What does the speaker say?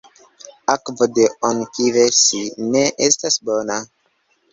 Akvo de Onkivesi ne estas bona.